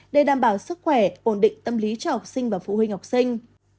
để đảm bảo sức khỏe ổn định tâm lý cho học sinh và phụ huynh học sinh